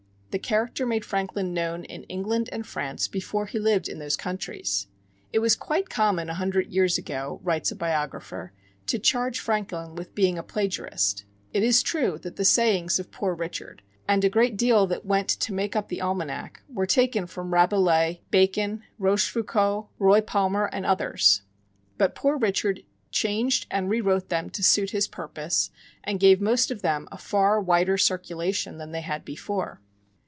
The character made Franklin known in England and France before he lived in those countries. "It was quite common a hundred years ago," writes a biographer, "to charge Franklin with being a plagiarist. It is true that the sayings of 'Poor Richard,' and a great deal that went to make up the almanac, were taken from Rabelais, Bacon, Rochefoucault, Roy Palmer, and others. But 'Poor Richard' changed and re wrote them to suit his purpose, and gave most of them a far wider circulation than they had before."